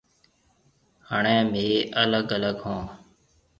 هڻيَ مهيَ الگ الگ هون۔